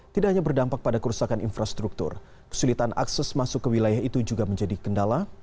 tidak hanya berdampak pada kerusakan infrastruktur kesulitan akses masuk ke wilayah itu juga menjadi kendala